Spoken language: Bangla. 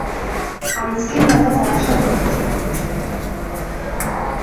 আইজগে ম্যালা বর্ষা হতিছে।